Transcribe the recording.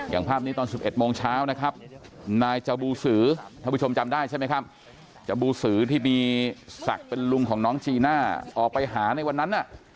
อย่างภาพนี้ตอน๑๑โมงเช้านะครับนายเจ้าบู๋สือที่มีศักดิ์เป็นน้องจีน่าออกไปหาในวันนั้นนะ